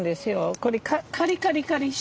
これカリカリカリしてるから。